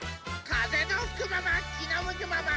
かぜのふくままきのむくまま。